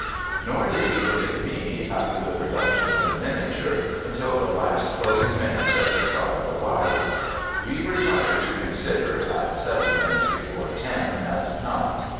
Nor did he look at me, after the production of the miniature, until the last closing minutes of the trial arrived. We retired to consider, at seven minutes before ten at night.